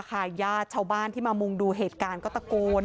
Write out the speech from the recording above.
ญาติชาวบ้านที่มามุงดูเหตุการณ์ก็ตะโกน